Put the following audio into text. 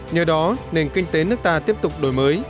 nhờ đó nền kinh tế nước ta tiếp tục đổi mới